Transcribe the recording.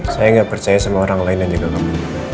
saya gak percaya sama orang lain yang jaga kamu